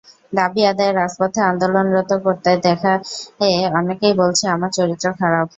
দাবি আদায়ে রাজপথে আন্দোলন করতে দেখে অনেকেই বলেছে, আমার চরিত্র খারাপ।